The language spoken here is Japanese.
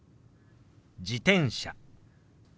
「自転車」。